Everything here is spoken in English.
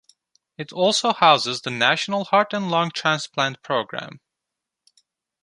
It also houses the national heart and lung transplant programme.